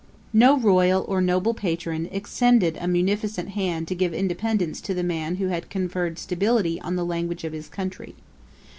] No royal or noble patron extended a munificent hand to give independence to the man who had conferred stability on the language of his country.